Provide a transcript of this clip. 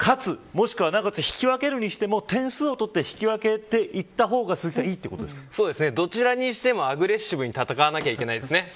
もしくは、引き分けるにしても点数を取って引き分けていった方がいいどちらにしてもアグレッシブに戦わなけれないですね。